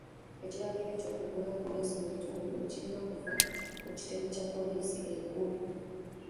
Ekiragiro ky'okuggulawo poliisi mu kitundu kirina kuva ku kitebe kya poliisi ekikulu.